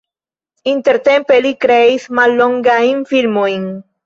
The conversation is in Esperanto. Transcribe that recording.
Intertempe li kreis mallongajn filmojn.